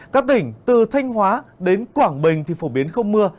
các tỉnh từ thanh hóa đến quảng bình thì phổ biến không mưa